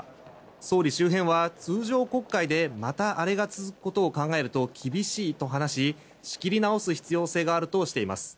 総理周辺は通常国会でまたあれが続くことを考えると厳しいと話し仕切り直す必要性があるとしています。